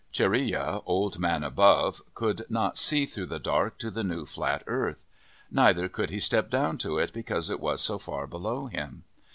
Chareya, Old Man Above, could not see through the dark to the new, flat earth. Neither could he step down to it because it was so far below him.